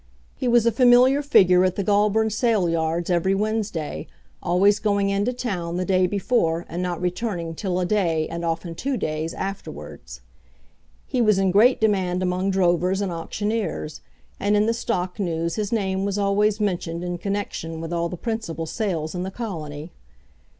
He was a familiar figure at the Goulburn sale yards every Wednesday, always going into town the day before and not returning till a day, and often two days, afterwards. He was in great demand among drovers and auctioneers; and in the stock news his name was always mentioned in connection with all the principal sales in the colony.